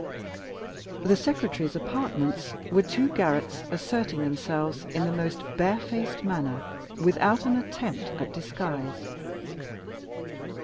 The Secretary's apartments were two garrets, asserting themselves in the most barefaced manner, without an attempt at disguise.